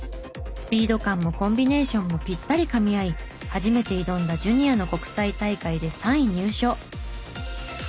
スピード感もコンビネーションもピッタリかみ合い初めて挑んだジュニアの国際大会で３位入賞。